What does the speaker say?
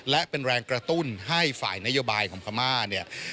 และเป็นแรงกระตุ้นให้ฝ่ายนโยบายของพม่าเนี่ย